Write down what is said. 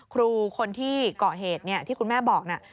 ครูคนที่เกาะเหตุที่คุณแม่บอกนะ